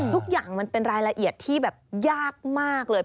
ทุกอย่างมันเป็นรายละเอียดที่แบบยากมากเลย